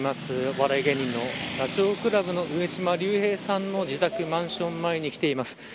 お笑い芸人のダチョウ倶楽部の上島竜兵さんの自宅マンション前に来ています。